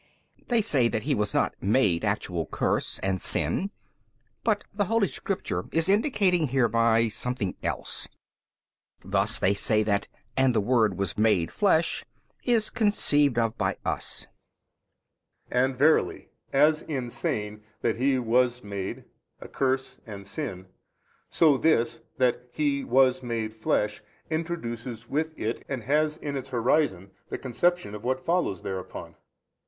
They say that He was not MADE actual curse and sin, but the holy Scripture is indicating hereby something else: thus they say that And the Word WAS MADE flesh is conceived of by us. |244 A. And verily as in saying that He WAS MADE a curse and sin, so this that He WAS MADE flesh introduces with it and has in its horizon the conception of what follows thereupon.